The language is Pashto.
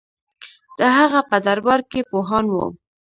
د هغه په دربار کې پوهان وو